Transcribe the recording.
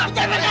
eh udah mereka